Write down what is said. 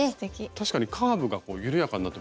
確かにカーブが緩やかになってますね。